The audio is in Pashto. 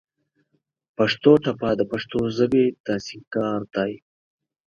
پښتو ټپه د پښتو ژبې د سينګار دى.